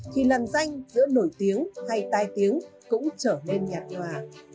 khi lằn danh giữa nổi tiếng hay tai tiếng cũng trở nên nhạt nhòa